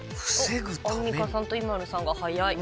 アンミカさんとＩＭＡＬＵさんが早い。